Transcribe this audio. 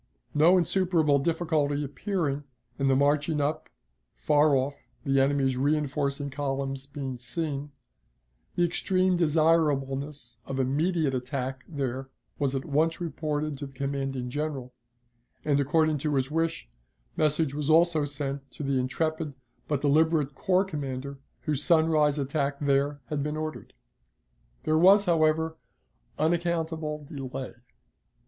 No insuperable difficulty appearing, and the marching up far off, the enemy's reenforcing columns being seen the extreme desirableness of immediate attack there, was at once reported to the commanding General; and, according to his wish, message was also sent to the intrepid but deliberate corps commander whose sunrise attack there had been ordered. There was, however, unaccountable delay.